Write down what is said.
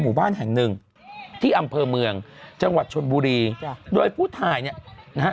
หมู่บ้านแห่งหนึ่งที่อำเภอเมืองจังหวัดชนบุรีจ้ะโดยผู้ถ่ายเนี่ยนะฮะ